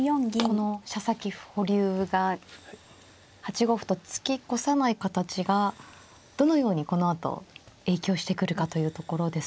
この飛車先歩保留が８五歩と突き越さない形がどのようにこのあと影響してくるかというところですね。